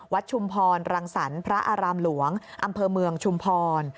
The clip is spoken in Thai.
ชุมพรรังสรรค์พระอารามหลวงอำเภอเมืองชุมพร